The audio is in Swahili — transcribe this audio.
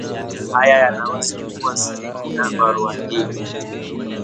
Haya yanaweza kuwa sehemu ya barua hii